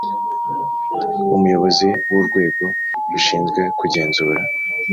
Umuyobozi w urwego rushinzwe kugenzura